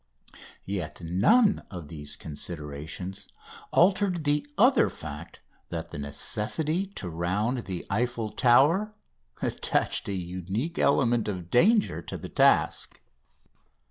Yet none of these considerations altered the other fact that the necessity to round the Eiffel Tower attached a unique element of danger to the task.